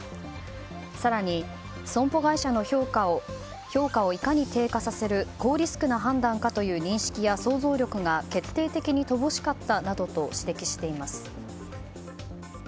更に、損保会社の評価をいかに低下させる高リスクな判断かという認識や想像力が決定的に乏しかったなどと指摘しています。